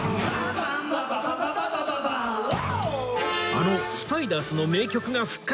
あのスパイダースの名曲が復活。